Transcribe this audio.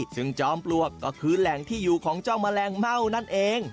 ซึ่งจอมปลวกก็คือแหล่งที่อยู่ของเจ้าแมลงเม่านั่นเอง